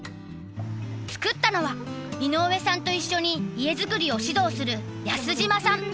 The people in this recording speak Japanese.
作ったのは井上さんと一緒に家づくりを指導する安島さん。